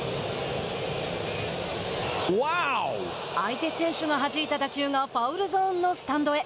相手選手がはじいた打球がファウルゾーンのスタンドへ。